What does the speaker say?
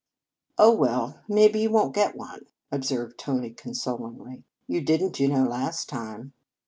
" Oh, well, maybe you won t get one," observed Tony consolingly. " You did n t, you know, last time."